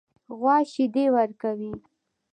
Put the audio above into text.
غوا شیدې ورکوي.